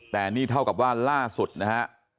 แต่นี่เท่ากับว่าล่าสุดนะฮะ